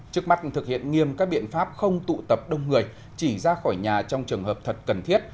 trước mắt thực hiện nghiêm các biện pháp không tụ tập đông người chỉ ra khỏi nhà trong trường hợp thật cần thiết